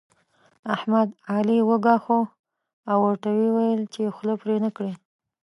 احمد؛ علي وګواښه او ورته ويې ويل چې خوله پرې نه کړې.